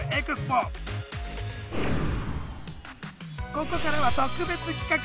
ここからは特別企画！